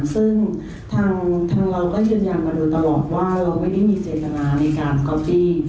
ซึ่งทางเราก็ยืนยันมาโดยตลอดว่าเราไม่ได้มีเจตนาในการก๊อฟฟี่